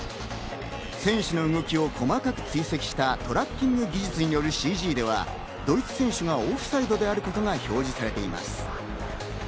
選手の動きをくまなく追跡したトラッキング技術によるＣＧではドイツ選手がオフサイドであることが表示されています。